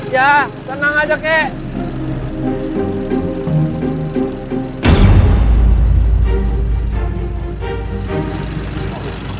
iya senang aja kek